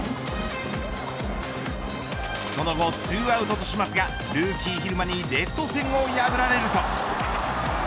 その後、２アウトとしますがルーキー蛭間にレフト線を破られると。